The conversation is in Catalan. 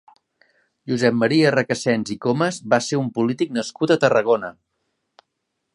Josep Maria Recasens i Comes va ser un polític nascut a Tarragona.